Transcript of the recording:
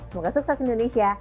semoga sukses indonesia